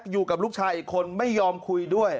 อยู่กับลูกชายอีกคนไม่ยอมคุยด้วย